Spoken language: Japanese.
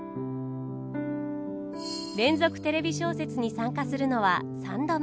「連続テレビ小説」に参加するのは３度目。